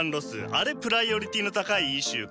あれプライオリティーの高いイシューかと。